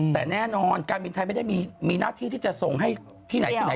แต่แน่นอนการบินไทยไม่ได้มีหน้าที่ที่จะส่งให้ที่ไหนที่ไหน